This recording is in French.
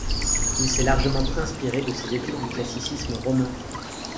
Il s'est largement inspiré de ses études du classicisme romain.